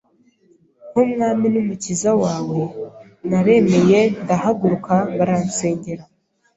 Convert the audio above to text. nk’umwami n’umukiza wawe, naremeye ndahaguruka baransengera